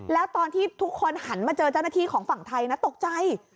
แล้วตอนที่ทุกคนหันมาเจอเจ้าหน้าที่ของฝั่งไทยนะตกใจ